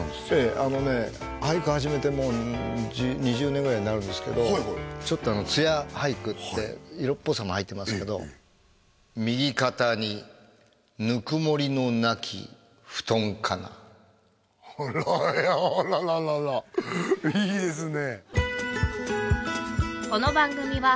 あのね俳句始めてもう２０年ぐらいになるんですけどちょっとあの艶俳句って色っぽさも入ってますけどあらあらあららららいいですね